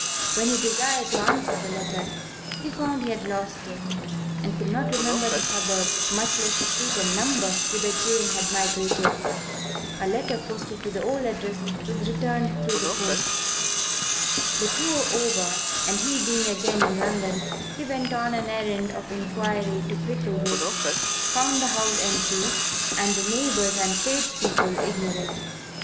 When he desired to answer the letter, he found he had lost it and could not remember the suburb, much less the street and number, whither Jane had migrated. A letter posted to the old address was returned through the post. The tour over, and he being again in London, he went on an errand of inquiry to Cricklewood, found the house empty and the neighbours and tradespeople ignorant.